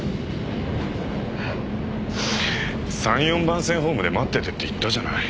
番線ホームで待っててって言ったじゃない。